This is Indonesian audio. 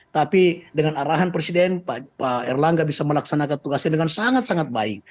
tapi dengan arahan presiden pak erlangga bisa melaksanakan tugasnya dengan sangat sangat baik